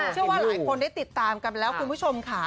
เชื่อว่าหลายคนได้ติดตามกันแล้วคุณผู้ชมค่ะ